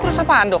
terus apaan dok